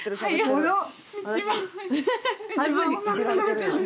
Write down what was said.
早っ！